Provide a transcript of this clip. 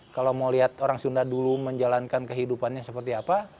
kalau mau lihat orang sunda dulu menjalankan kehidupannya seperti apa